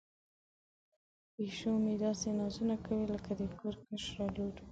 پیشو مې داسې نازونه کوي لکه د کور کشره لور.